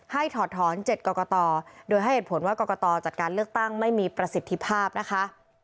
ถอดถอน๗กรกตโดยให้เหตุผลว่ากรกตจัดการเลือกตั้งไม่มีประสิทธิภาพนะคะ